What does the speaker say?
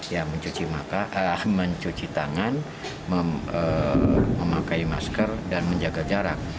ya mencuci tangan memakai masker dan menjaga jarak